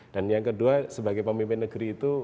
dan yang kedua sebagai pemimpin negeri itu